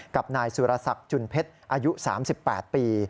กับนายสุรศักดิ์จุนเพชรอายุ๓๘ปี